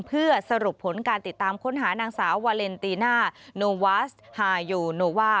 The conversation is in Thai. เพื่อสรุปผลการติดตามค้นหานางสาววาเลนตีน่าโนวาสฮาโยโนว่า